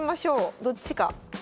どっちか。